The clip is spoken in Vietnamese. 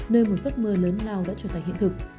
nơi một giấc mơ lớn lao đã trở thành hiện thực